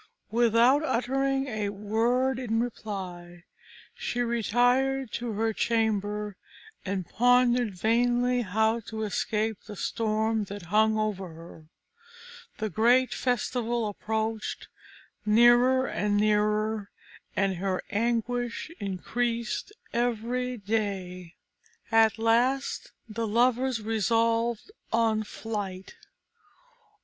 Without uttering a word in reply, she retired to her chamber, and pondered vainly how to escape the storm that hung over her. The great festival approached nearer and nearer, and her anguish increased every day. At last the lovers resolved on flight.